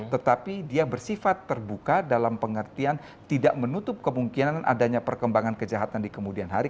tetapi dia bersifat terbuka dalam pengertian tidak menutup kemungkinan adanya perkembangan kejahatan di kemudian hari